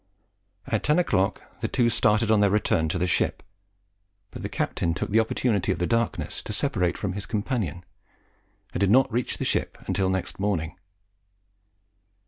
At ten o'clock the two started on their return to the ship; but the captain took the opportunity of the darkness to separate from his companion, and did not reach the ship until next morning.